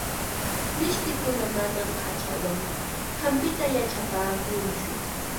Mishtikuna manam hachawan hampita yachapaakunchu.